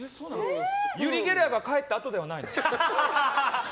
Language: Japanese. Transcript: ユリゲラーが帰ったあとではないの？